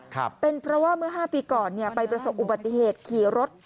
ครับเป็นเพราะว่าเมื่อห้าปีก่อนเนี่ยไปประสบอุบัติเหตุขี่รถ